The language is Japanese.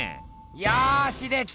よしできた。